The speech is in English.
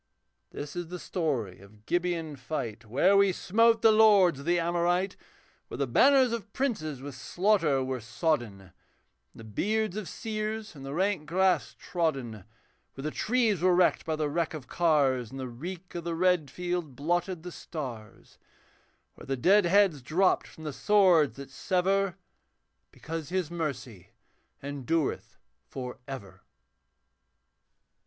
This is the story of Gibeon fight Where we smote the lords of the Amorite; Where the banners of princes with slaughter were sodden. And the beards of seers in the rank grass trodden; Where the trees were wrecked by the wreck of cars, And the reek of the red field blotted the stars; Where the dead heads dropped from the swords that sever, Because His mercy endureth for ever.